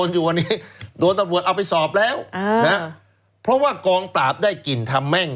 อยู่วันนี้โดนตำรวจเอาไปสอบแล้วเพราะว่ากองปราบได้กลิ่นทำแม่ง